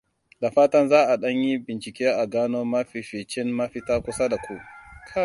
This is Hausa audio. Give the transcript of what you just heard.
Da fatan za a ɗan yi bincike a gano mafificin mafita kusa da ku.